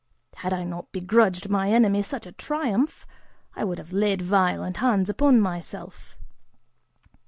Had I not begrudged my enemy such a triumph, I would have laid violent hands upon myself.